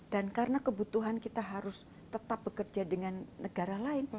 dan karena kebutuhan kita harus tetap bekerja dengan negara lain